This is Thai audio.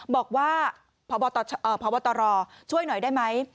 บอกว่าพบตรช่วยหน่อยได้ไหม